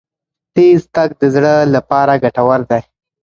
تېز تګ د زړه لپاره ګټور دی.